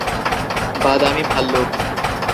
বাদামি ভাল্লুক।